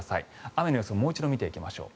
雨の予想をもう一度見ていきましょう。